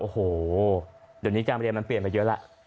โอ้โหเดี๋ยวนี้การเรียนมันเปลี่ยนมาเยอะแล้ว